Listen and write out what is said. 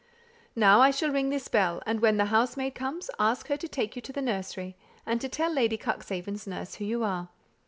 Now I shall ring this bell, and when the housemaid comes, ask her to take you into the nursery, and to tell Lady Cuxhaven's nurse who you are.